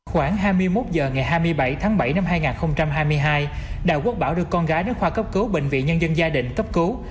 khoảng hai mươi một h ngày hai mươi bảy tháng bảy năm hai nghìn hai mươi hai đào quốc bảo được con gái đến khoa cấp cứu bệnh viện nhân dân gia định cấp cứu